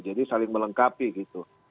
jadi saling melengkapi gitu